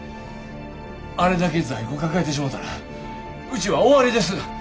あれだけ在庫抱えてしもたらうちは終わりです。